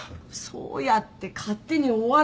そうやって勝手に終わらせる。